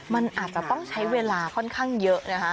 มันอาจจะต้องใช้เวลาค่อนข้างเยอะนะคะ